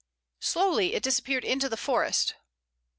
Slowly it disappeared into the forest.